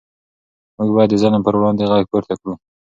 موږ باید د ظلم پر وړاندې غږ پورته کړو.